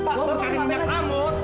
pak lo mau cari minyak rambut